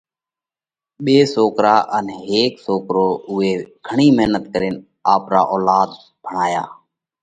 ٻي سوڪري ان هيڪ سوڪرو۔ اُوئي گھڻئِي مينت ڪرينَ آپرا اولاڌ ڀڻايا۔